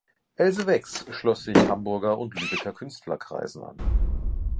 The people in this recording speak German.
Else Wex schloss sich Hamburger und Lübecker Künstlerkreisen an.